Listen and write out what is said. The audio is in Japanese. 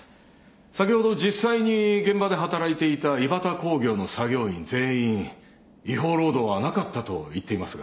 先ほど実際に現場で働いていたイバタ工業の作業員全員違法労働はなかったと言っていますが。